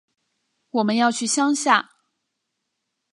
我们要去乡下